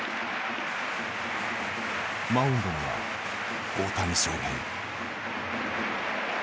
マウンドには大谷翔平。